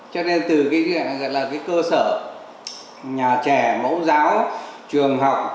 cho nên từ cái cơ sở nhà trẻ mẫu giáo trường học